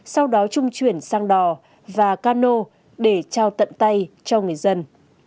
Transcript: sau đó trung chuyển sang đò và cano để trao tận tay cho người dân